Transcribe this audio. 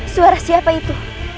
suara siapa itu